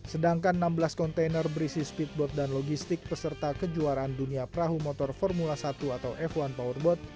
sedangkan enam belas kontainer berisi speedboat dan logistik peserta kejuaraan dunia perahu motor formula satu atau f satu powerboat